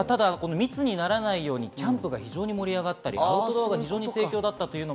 密にならないようにキャンプが盛り上がったりアウトドアが盛況でした。